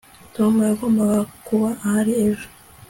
tom yagombaga kuba ahari ejo